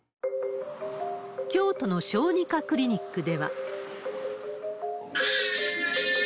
京都の小児科クリニックでは。